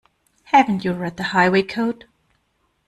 Haven't you read the Highway Code?